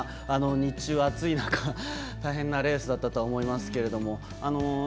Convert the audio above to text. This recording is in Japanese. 日中は暑い中大変なレースだったとは思いますけれども。